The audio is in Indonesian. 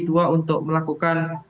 ii untuk melakukan